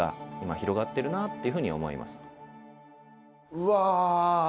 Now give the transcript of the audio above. うわ！